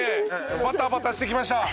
バタバタしてきました。